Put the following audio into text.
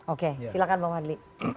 oke silahkan pak prabowo